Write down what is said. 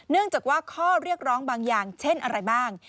เนื่องจากว่าข้อเรียกร้องบางอย่างเช่นอะไรบ้าง